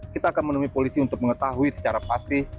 kita akan menemui polisi untuk mengetahui secara patri